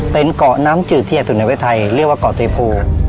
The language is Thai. เป็นเกาะน้ำจืดเทียดสุดในเวชไทยเรียกว่าเกาะเตยโภ